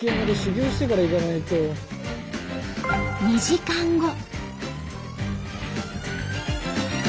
２時間後。